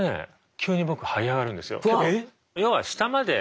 急に僕はい上がるんですよ。